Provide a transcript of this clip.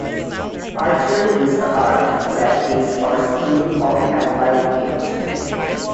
Archery is the art, practice, or skill of applying it.